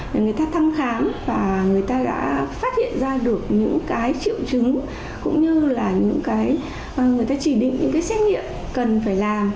người ta thăm khám và người ta đã phát hiện ra được những triệu chứng cũng như là người ta chỉ định những xét nghiệm cần phải làm